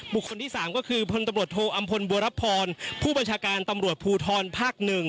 คนที่๓ก็คือพลตำรวจโทอำพลบัวรับพรผู้บัญชาการตำรวจภูทรภาค๑